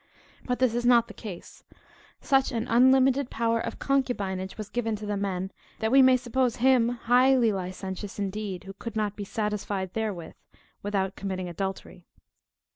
But this is not the case; such an unlimited power of concubinage was given to the men, that we may suppose him highly licentious indeed, who could not be satisfied therewith, without committing adultery.